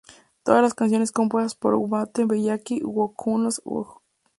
Todas las canciones compuestas por Matthew Bellamy; "Who Knows Who" co-escrita por Mike Skinner.